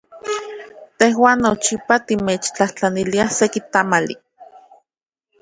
Tejuan nochipa timechtlajtlaniliaj seki tamali.